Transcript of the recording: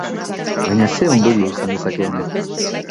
Baina zein ondorio izan dezake honek?